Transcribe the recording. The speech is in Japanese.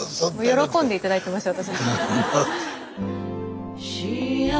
喜んで頂いてました私。